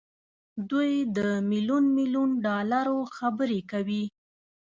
دوی د ميليون ميليون ډالرو خبرې کوي.